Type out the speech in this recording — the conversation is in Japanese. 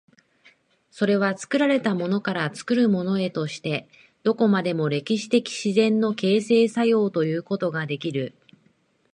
それは作られたものから作るものへとして、どこまでも歴史的自然の形成作用ということができる。